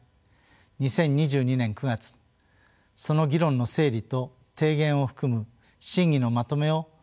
２０２２年９月その議論の整理と提言を含む審議のまとめを答申・公表しました。